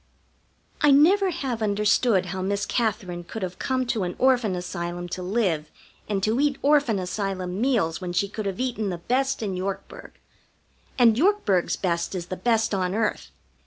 I never have understood how Miss Katherine could have come to an Orphan Asylum to live and to eat Orphan Asylum meals when she could have eaten the best in Yorkburg. And Yorkburg's best is the best on earth.